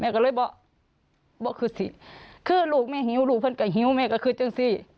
ก็คือสิขึ้นลูกเฮ้ยถ้าโฮลุ่เดิ้งซี่